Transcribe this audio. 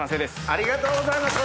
ありがとうございます！